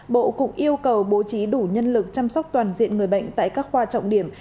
bộ cũng yêu cầu bố trí đủ nhân lực chăm sóc toàn diện người bệnh tại các khoa trọng điểm